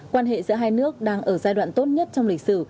quan hệ giữa hai nước đang ở giai đoạn tốt nhất trong lịch sử